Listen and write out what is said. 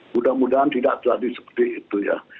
mudah mudahan tidak jadi seperti itu ya